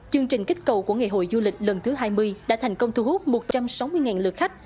chương trình kích cầu của ngày hội du lịch lần thứ hai mươi đã thành công thu hút một trăm sáu mươi lượt khách